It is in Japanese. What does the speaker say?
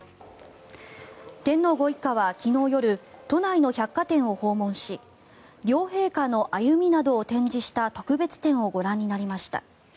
天皇ご一家は昨日夜都内の百貨店を訪問し両陛下の歩みなどを展示した特別展をご覧になりました。